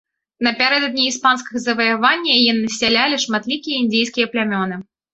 Напярэдадні іспанскага заваявання яе насялялі шматлікія індзейскія плямёны.